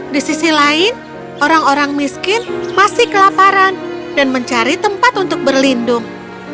di sisi lain orang orang miskin masih kelaparan dan mencari tempat untuk berlindung